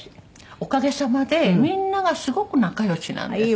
おかげさまでみんながすごく仲良しなんですね。